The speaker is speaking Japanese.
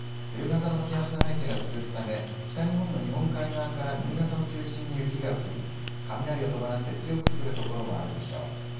冬型の気圧配置が続くため北日本の日本海側から新潟を中心に雪が降り雷を伴って強く降る所もあるでしょう。